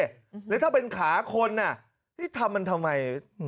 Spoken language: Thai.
หรือถ้าเป็นขาคนนี่ทำมันทำไม